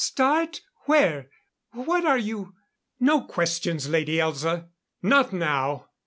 "Start? Where? What are you " "No questions, Lady Elza. Not now.